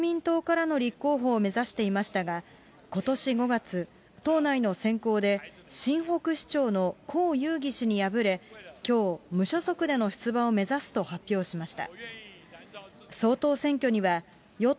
郭台銘氏は野党・国民党からの立候補を目指していましたが、ことし５月、党内の選考で、しんほく市長のこうゆうぎ氏に敗れ、きょう、無所属での出馬を目指すと発表しました。